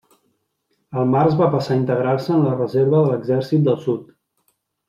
Al març va passar a integrar-se en la reserva de l'Exèrcit del Sud.